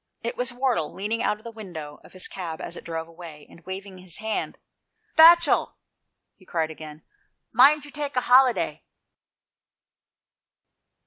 It was Wardle, leaning out of the window of his cab as it drove away, and waving his hand, "Batchel," he cried again, "mind you take a holiday."